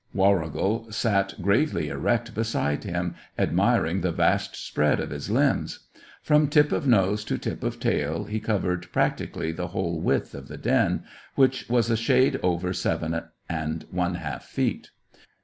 Warrigal sat gravely erect beside him, admiring the vast spread of his limbs. From tip of nose to tip of tail he covered practically the whole width of the den, which was a shade over seven and one half feet.